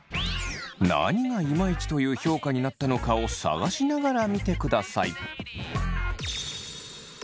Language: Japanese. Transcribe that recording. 何がイマイチという評価になったのかを探しながら見てください。